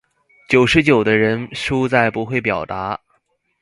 九十九的人輸在不會表達